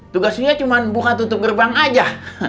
tugasnya cuma buka tutup gerbang aja